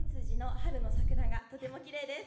春の桜がとてもきれいです。